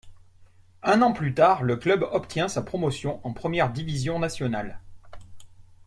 Un an plus tard le club obtient sa promotion en première division nationale.